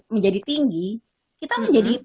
menjadi tinggi kita menjadi